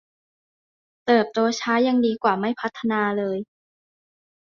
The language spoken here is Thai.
เติบโตช้ายังดีกว่าไม่พัฒนาเลย